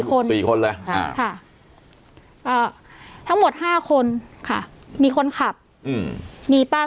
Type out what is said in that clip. คนสี่คนเลยทั้งหมดห้าคนค่ะมีคนขับอืมมีป้า